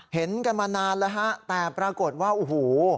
เห็นกันมานานแล้วแต่ปรากฏว่าอู๋ฮู